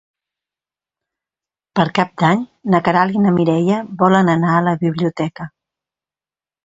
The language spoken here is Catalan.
Per Cap d'Any na Queralt i na Mireia volen anar a la biblioteca.